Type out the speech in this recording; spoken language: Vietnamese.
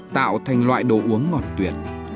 tạo thành loại đồ uống ngọt tuyệt